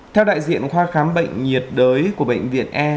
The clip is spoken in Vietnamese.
theo đại diện khoa khám bệnh nhiệt đới của bệnh viện e